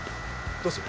どうする？